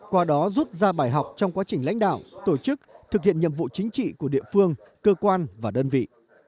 qua đó rút ra bài học trong quá trình lãnh đạo tổ chức thực hiện nhiệm vụ chính trị của địa phương cơ quan và đơn vị